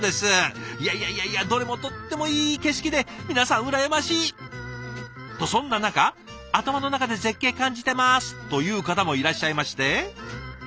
いやいやどれもとってもいい景色で皆さん羨ましい！とそんな中「頭の中で絶景感じてます」という方もいらっしゃいまして。